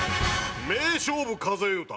名勝負数え歌。